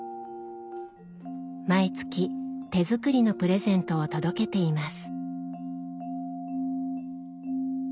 毎月手作りのプレゼントを届けています。